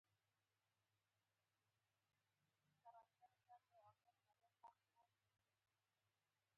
د ټکنالوژۍ وده په چټکۍ سره پر مخ روانه ده.